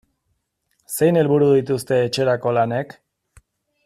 Zein helburu dituzte etxerako lanek?